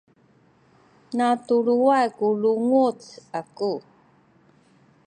natuluway ku lunguc aku